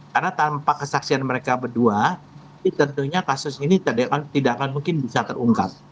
karena tanpa kesaksian mereka berdua tentunya kasus ini tidak akan mungkin bisa terungkap